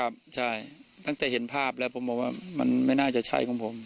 ใช่ตั้งแต่เห็นภาพแล้วผมบอกว่ามันไม่น่าจะใช่ของผม